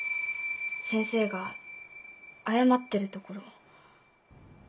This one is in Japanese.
先生が謝ってるところを。